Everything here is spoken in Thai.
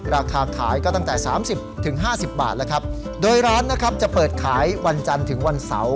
ราคาขายก็ตั้งแต่๓๐๕๐บาทโดยร้านจะเปิดขายวันจันทร์ถึงวันเสาร์